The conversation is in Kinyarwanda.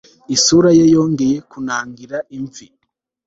Isura ye yongeye kunangira imvi